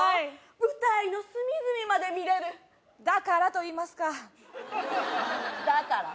舞台の隅々まで見れるだからといいますかだから？